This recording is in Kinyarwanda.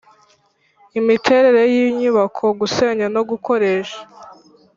imiterere y inyubako gusenya no gukoresha